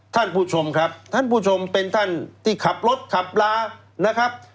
ท่านผู้ชมครับท่านผู้ชมเป็นท่านที่ขับรถขับลานะครับ